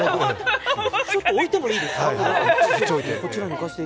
ちょっと置いてもいいですか。